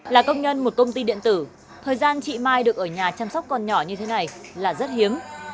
là công nhân một công ty điện tử thời gian chị mai được ở nhà chăm sóc con nhỏ như thế này là rất hiếm